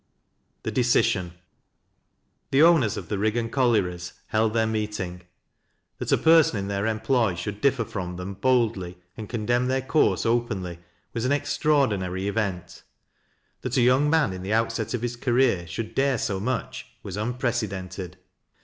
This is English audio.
THE DECISION. The owners of the Rigican collieries held theii meeting. I'liat a person in their employ should differ from tlietn boldly, and condemn their course openly, was an extraor dinary eveut ; that a young man in the outset of his ca reer should dare so much was unprecedented.